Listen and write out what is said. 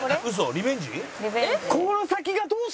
リベンジ？」